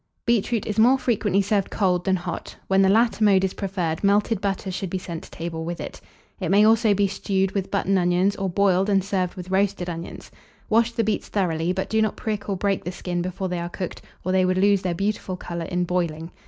Beetroot is more frequently served cold than hot: when the latter mode is preferred, melted butter should be sent to table with it. It may also be stewed with button onions, or boiled and served with roasted onions. Wash the beets thoroughly; but do not prick or break the skin before they are cooked, or they would lose their beautiful colour in boiling.